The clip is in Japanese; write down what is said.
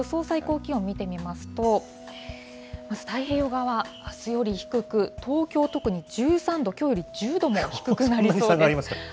最高気温見てみますと、まず太平洋側、あすより低く、東京、特に１３度、きょうより１０度も低くなりそうです。